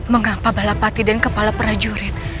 menggapa balapati dan kepala prajurit